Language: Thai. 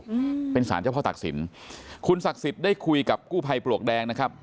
อืมเป็นสารเจ้าพ่อตักศิลป์คุณศักดิ์สิทธิ์ได้คุยกับกู้ภัยปลวกแดงนะครับ